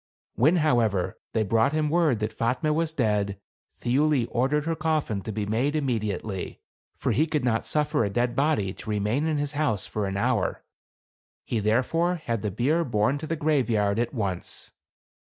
When, however, they brought him word that Fatme was dead, Thiuli ordered her coffin to be made immediately ; for he could not suffer a dead body to remain in his house an hour. He therefore had the bier borne to the graveyard at V>nce.